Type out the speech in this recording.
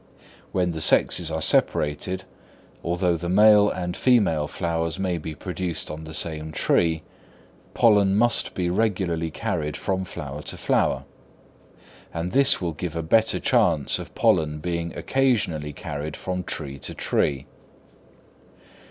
When the sexes are separated, although the male and female flowers may be produced on the same tree, pollen must be regularly carried from flower to flower; and this will give a better chance of pollen being occasionally carried from tree to tree.